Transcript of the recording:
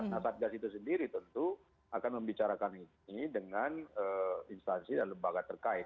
nah satgas itu sendiri tentu akan membicarakan ini dengan instansi dan lembaga terkait